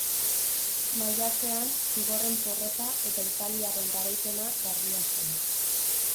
Maiatzean zigorren porrota eta italiarren garaipena garbia zen.